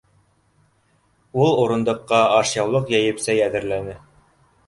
Ул урындыҡҡа ашъяулыҡ йәйеп сәй әҙерләне.